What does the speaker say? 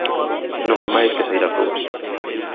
Non hai máis que saír ás rúas.